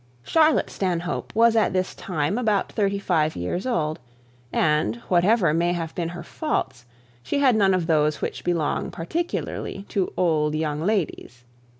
Charlotte Stanhope was at this time about thirty five years old; and, whatever may have been her faults, she had none of those which belong particularly to old young ladies.